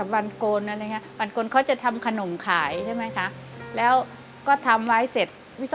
วันธรรมดานี่